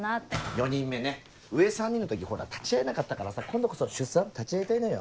４人目ね上３人の時立ち会えなかったからさ今度こそ出産立ち会いたいのよ。